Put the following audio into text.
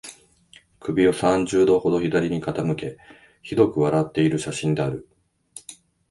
首を三十度ほど左に傾け、醜く笑っている写真である